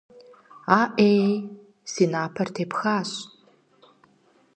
АӀей, си напэр тепхащ!